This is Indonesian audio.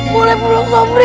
boleh peluk sobri